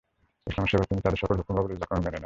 ইসলামের সেবায় তিনি তাদের সকল হুকুম অবলীলাক্রমে মেনে নেন।